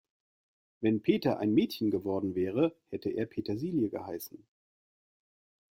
Wenn Peter ein Mädchen geworden wäre, hätte er Petersilie geheißen.